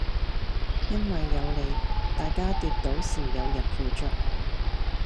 因為有你，大家跌倒時有人扶著